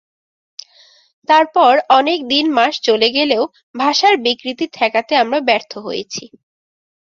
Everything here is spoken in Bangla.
তারপর অনেক দিন-মাস চলে গেলেও ভাষার বিকৃতি ঠেকাতে আমরা ব্যর্থ হয়েছি।